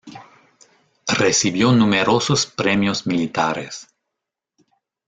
Recibió numerosos premios militares.